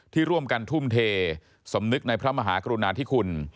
ที่ร่วมกันทุ่มเทสำนึกในพระมหากรุณาธิคุณ